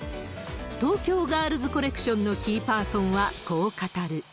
東京ガールズコレクションのキーパーソンはこう語る。